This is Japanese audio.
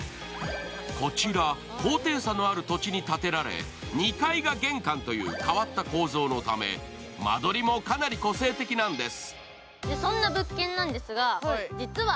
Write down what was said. こちら高低差のある土地に建てられ２階が玄関という変わった構造のため、間取りもかなり個性的なんです。